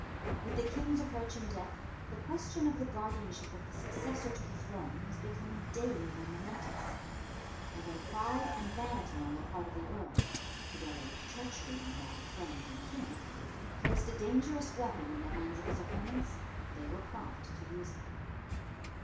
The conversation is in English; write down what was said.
With the King's approaching death the question of the guardianship of the successor to the throne was becoming daily more momentous; and when pride and vanity on the part of the Earl, together with treachery on that of friends and kin, placed a dangerous weapon in the hands of his opponents, they were prompt to use it.